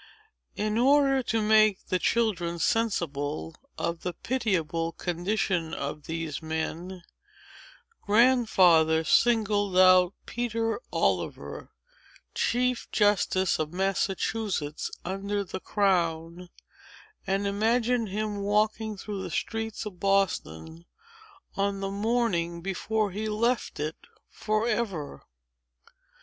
In order to make the children sensible of the pitiable condition of these men, Grandfather singled out Peter Oliver, chief justice of Massachusetts under the crown, and imagined him walking through the streets of Boston, on the morning before he left it forever.